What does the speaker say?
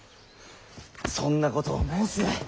そんなことを申すな。